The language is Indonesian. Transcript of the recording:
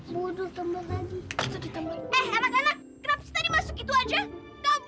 bodoh tempat tadi